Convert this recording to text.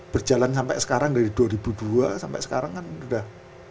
berjalan sampai sekarang dari dua ribu dua sampai sekarang kan sudah